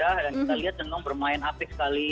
dan kita lihat anthony ginting bermain apik sekali